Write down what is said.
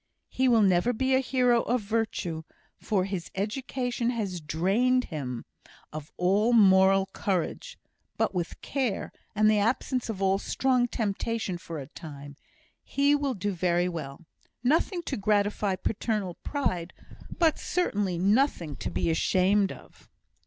He will never be a hero of virtue, for his education has drained him of all moral courage; but with care, and the absence of all strong temptation for a time, he will do very well; nothing to gratify paternal pride, but certainly nothing to be ashamed of."